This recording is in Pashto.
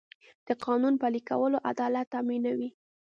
د قانون پلي کول عدالت تامینوي.